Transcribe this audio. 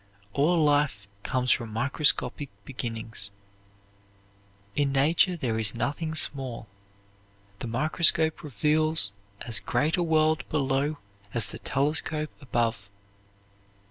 All life comes from microscopic beginnings. In nature there is nothing small. The microscope reveals as great a world below as the telescope above.